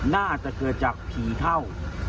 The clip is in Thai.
น่าจะเกิดจากผีเข้า